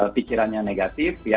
pikirannya negatif ya